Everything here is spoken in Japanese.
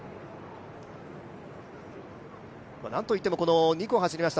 なんといっても２区を走りました